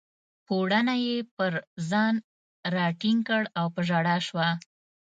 پوړنی یې پر ځان راټینګ کړ او په ژړا شوه.